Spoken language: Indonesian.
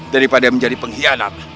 daripada menjadi pengkhianat